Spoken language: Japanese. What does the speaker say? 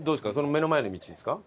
目の前の道ですか？